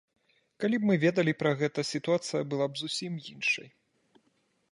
Калі б мы ведалі пра гэта, сітуацыя была б зусім іншай.